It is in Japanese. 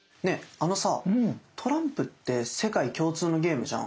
あのさトランプって世界共通のゲームじゃん。